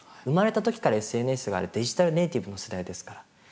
生まれた時からＳＮＳがあるデジタルネイティブの世代ですから。